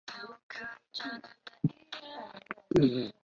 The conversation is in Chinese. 中山勋章为中华民国次高荣誉的文职勋章。